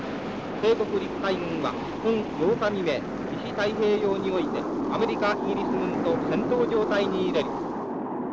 帝国陸海軍は本８日未明西太平洋においてアメリカイギリス軍と戦闘状態に入れり」。